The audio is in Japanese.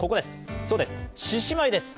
そうです、獅子舞です。